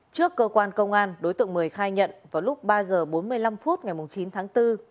trước cơ quan công an đối tượng mười khai nhận vào lúc ba h bốn mươi năm phút ngày chín tháng bốn